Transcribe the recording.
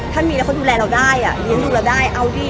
ถ้ามีแล้วเขาดูแลเราได้อ่ะเลี้ยงดูเราได้เอาดิ